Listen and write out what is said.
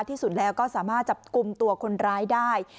ที่สุดแล้วก็สามารถจับกลุ่มตัวคนร้ายได้